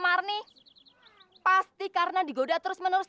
marni pasti karena digoda terus menerus